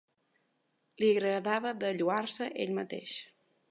Li agradava de lloar-se ell mateix.